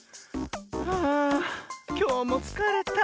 はあきょうもつかれた。